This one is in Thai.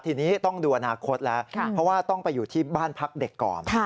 ทีนี้ต้องดูอนาคตแล้วเพราะว่าต้องไปอยู่ที่บ้านพักเด็กก่อน